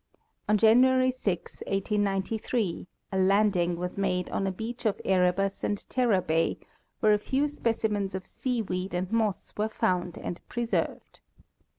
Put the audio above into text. On January 6, 1893, a landing was made ona beach of Erebus and Terror bay, where a few specimens of seaweed and moss were found and preserved.